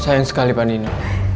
saya sekali pak dino